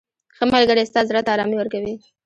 • ښه ملګری ستا زړه ته ارامي ورکوي.